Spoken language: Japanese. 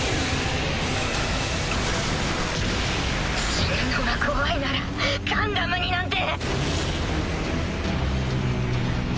死ぬのが怖いならガンダムになんて。